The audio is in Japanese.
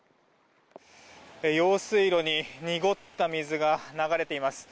用水路に濁った水が流れています。